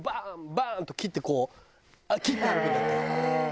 バーン！と切ってこう切って歩くんだって。